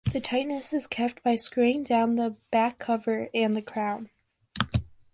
The tightness is kept by screwing down the back cover and the crown.